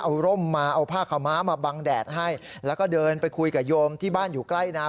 เอาร่มมาเอาผ้าขาวม้ามาบังแดดให้แล้วก็เดินไปคุยกับโยมที่บ้านอยู่ใกล้นา